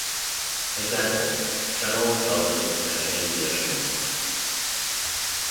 Example: Trenle geldim "I came via train".